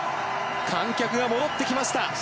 観客が戻ってきました。